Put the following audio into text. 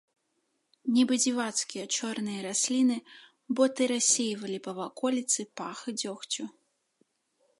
Нібы дзівацкія чорныя расліны, боты рассейвалі па ваколіцы пах дзёгцю.